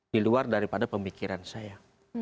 diluar daripada pemikiran saya